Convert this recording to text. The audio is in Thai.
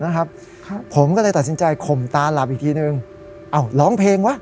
นะครับครับผมก็เลยตัดสินใจข่มตาหลับอีกทีหนึ่งอ้าวร้องเพลงวะ